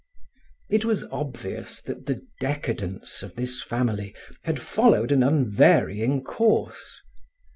It was obvious that the decadence of this family had followed an unvarying course.